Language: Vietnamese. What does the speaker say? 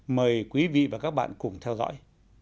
mời quý vị và các bạn cùng theo dõi